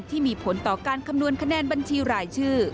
ที่มีผลต่อการคำนวณคะแนนบัญชีรายชื่อ